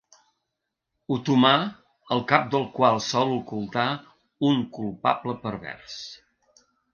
Otomà el cap del qual sol ocultar un culpable pervers.